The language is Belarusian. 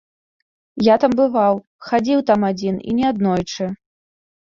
Я там бываў, хадзіў там адзін, і не аднойчы.